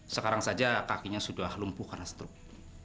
sekarang saja kakinya sudah lumpuh karena stroke